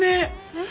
えっ？